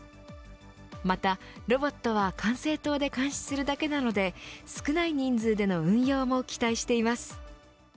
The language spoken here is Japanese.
またロボットは管制塔で監視するだけなので少ない人数での運用も期待しています。